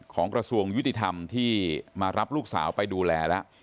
กระทรวงยุติธรรมที่มารับลูกสาวไปดูแลแล้ว